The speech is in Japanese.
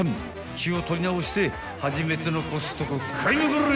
［気を取り直して初めてのコストコ買いまくれ！］